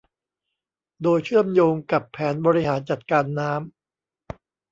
โดยเชื่อมโยงกับแผนบริหารจัดการน้ำ